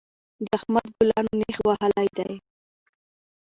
د احمد ګلانو نېښ وهلی دی.